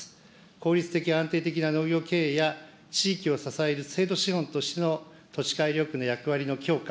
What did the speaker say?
効率的、安定的な農業経営や、地域を支える制度資本としての土地改良の役割の強化、